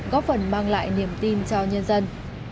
góp phần mang lại niềm tin cho nhân viên